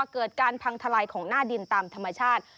เกิดการพังทลายของหน้าดินตามธรรมชาติ